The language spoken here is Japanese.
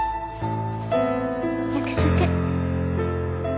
約束。